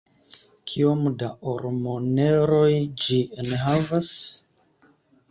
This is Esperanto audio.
kiom da ormoneroj ĝi enhavas?